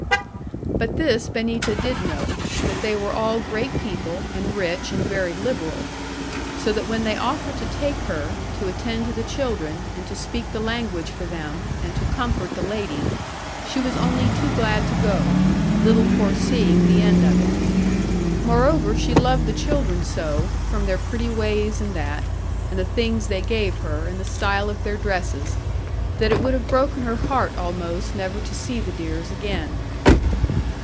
'But this Benita did know, that they were all great people, and rich, and very liberal; so that when they offered to take her, to attend to the children, and to speak the language for them, and to comfort the lady, she was only too glad to go, little foreseeing the end of it. Moreover, she loved the children so, from their pretty ways and that, and the things they gave her, and the style of their dresses, that it would have broken her heart almost never to see the dears again.